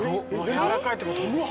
柔らかいってこと？